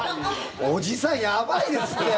おじさんやばいですって。